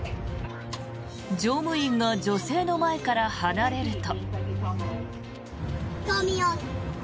乗務員が女性の前から離れると。